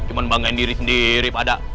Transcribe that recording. cuma banggain diri sendiri ada